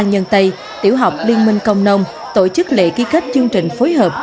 nhân tây tiểu học liên minh công nông tổ chức lễ ký kết chương trình phối hợp